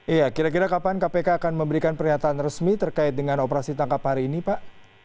iya kira kira kapan kpk akan memberikan pernyataan resmi terkait dengan operasi tangkap hari ini pak